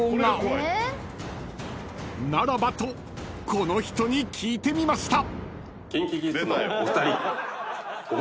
［ならばとこの人に聞いてみました］